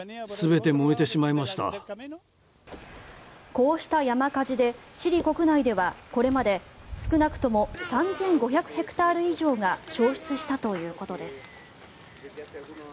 こうした山火事でチリ国内ではこれまで少なくとも３５００ヘクタール以上が焼失したということです。